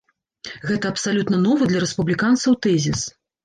Гэта абсалютна новы для рэспубліканцаў тэзіс.